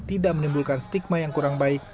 tidak menimbulkan stigma yang kurang baik